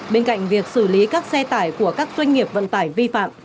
bên cạnh việc xử lý các xe tải của các doanh nghiệp vận tải vi phạm